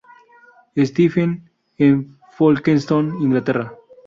Stephen en Folkestone, Inglaterra.